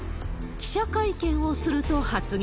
記者会見をすると発言。